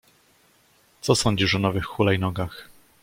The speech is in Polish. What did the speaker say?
Co sądzisz o nowych hulajnogach?